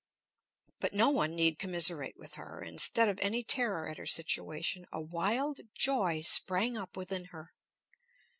But no one need commiserate with her. Instead of any terror at her situation a wild joy sprang up within her.